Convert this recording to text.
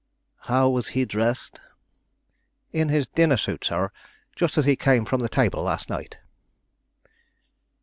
"How was he dressed?" "In his dinner suit, sir, just as he came from the table last night."